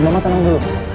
mama tenang dulu